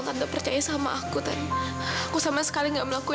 tante percaya sama kamu